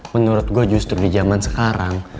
menurut gue justru di zaman sekarang